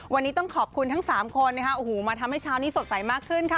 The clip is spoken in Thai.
วันนี้ต้องขอบคุณทั้ง๓คนมาทำให้ชาวนี้สดใสมากขึ้นค่ะ